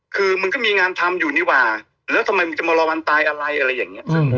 คือมึงก็มีงานทำอยู่นี่ว่าแล้วทำไมมึงจะมารอวันตายอะไรอะไรอย่างนี้